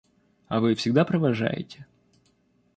А вы всегда провожаете?